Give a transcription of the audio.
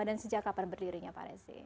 dan sejak kapan berdirinya pak resi